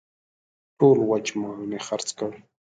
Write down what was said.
ټول وچ مال مې خرڅ کړ.